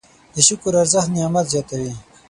د شکر ارزښت نعمت زیاتوي.